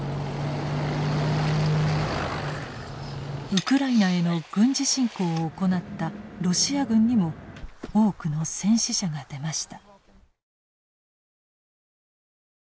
ウクライナへの軍事侵攻を行ったロシア軍にも多くの戦死者が出ました。